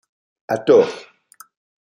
À tort.